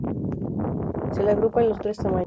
Se le agrupa en los tres tamaños.